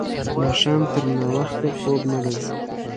ماښام تر ناوخته خوب نه راځي.